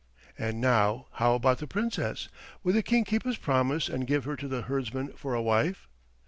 And now how about the Princess? Would the King keep his promise and give her to the herdsman for a wife?